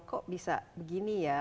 kok bisa begini ya